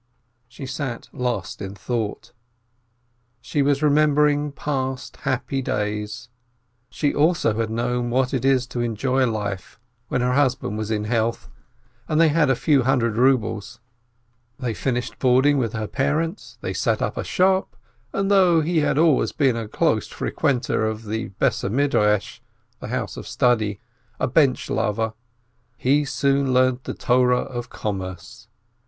She sat lost in thought. She was remembering past happy days. She also had known what it is to enjoy life, when her husband was in health, and they had a few hundred rubles. They finished boarding with her parents, they set up a shop, and though he had always been a close frequenter of the house of study, a bench lover, he soon learnt the Torah of commerce.